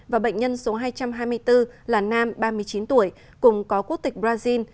và bệnh nhân số hai trăm hai mươi bốn là nam ba mươi chín tuổi cùng có quốc tịch brazil